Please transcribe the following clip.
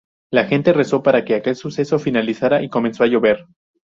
La gente rezó para que aquel suceso finalizara y comenzó a llover.